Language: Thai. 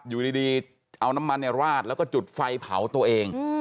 อยู่ดีเอาน้ำมันราดแล้วก็จุดไฟเผาตัวเอง